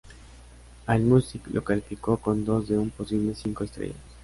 Allmusic lo calificó con dos de un posible cinco estrellas.